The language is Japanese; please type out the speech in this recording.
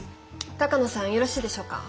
鷹野さんよろしいでしょうか？